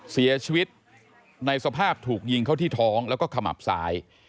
เสียชีวิตในสภาพถูกยิงเข้าที่ท้องแล้วก็ขมับซ้าย